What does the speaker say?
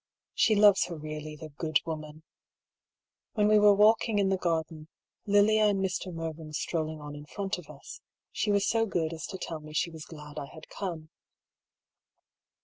She loves her really, the good woman ! When we were walking in the garden, Lilia and Mr. Mervyn strolling on in front of us, she was so good as to tell me she was glad I had come.